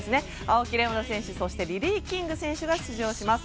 青木玲緒樹選手そして、リリー・キング選手が出場します。